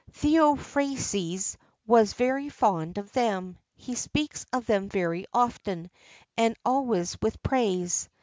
Theophrastus was very fond of them; he speaks of them very often,[XIII 15] and always with praise.